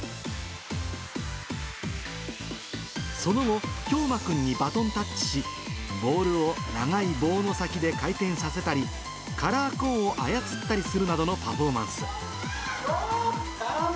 その後、兵真君にバトンタッチし、ボールを長い棒の先で回転させたり、カラーコーンを操ったりするなどのパフォーマンス。